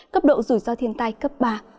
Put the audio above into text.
cấp độ rủi ro thiên tai cấp ba